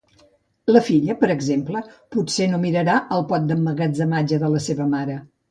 La filla, per exemple, potser no mirarà al pot d'emmagatzematge de la seva mare.